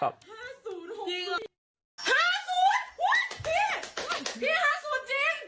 พี่๕๐จริง